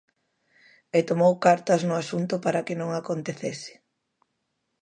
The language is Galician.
E tomou cartas no asunto para que non acontecese.